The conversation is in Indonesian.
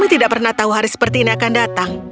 kami tidak pernah tahu hari seperti ini akan datang